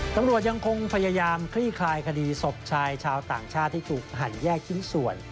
ตำรวจยังคงพยายามคลี่คลายคดีศพชายชาวต่างชาติที่ถูกหั่นแยกชิ้นส่วน